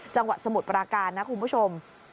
จังหวะสมุดปราการนะคุณผู้ชม